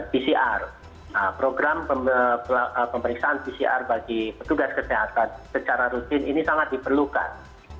pcr program pemeriksaan pcr bagi petugas kesehatan secara rutin ini sangat diperlukan